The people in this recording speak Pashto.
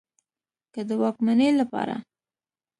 که د واکمنۍ له پاره